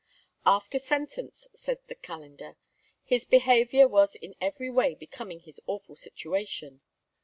"After sentence," says the Calendar, "his behaviour was in every way becoming his awful situation